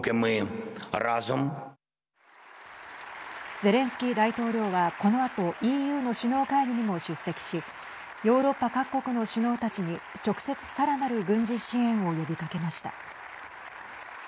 ゼレンスキー大統領はこのあとＥＵの首脳会議にも出席しヨーロッパ各国の首脳たちに直接さらなる軍事支援を呼びかけました。